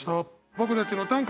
僕たちの短歌